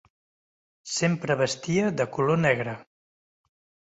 Sempre vestia de color negre.